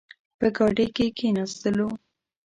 په ګاډۍ کې کښېناستلو.